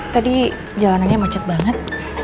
tadi jalanannya macet banget